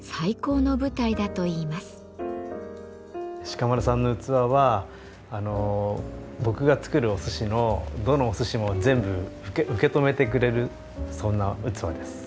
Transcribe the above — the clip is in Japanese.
鹿丸さんの器は僕が作るお寿司のどのお寿司も全部受け止めてくれるそんな器です。